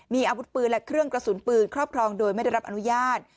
มีอาวุธปืนและเครื่องกระสุนปืนครอบครองโดยไม่ได้รับอนุญาต